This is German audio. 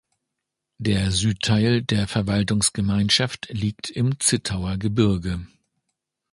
Der Südteil der Verwaltungsgemeinschaft liegt im Zittauer Gebirge.